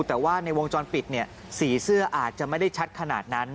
แต่ว่าในวงจรปิดเนี่ยสีเสื้ออาจจะไม่ได้ชัดขนาดนั้น